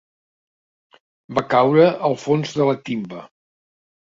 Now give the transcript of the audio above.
Va caure al fons de la timba.